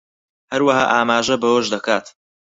هەروەها ئاماژە بەوەش دەکات